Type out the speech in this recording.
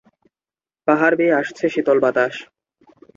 পাহাড় বেয়ে আসছে শীতল বাতাস।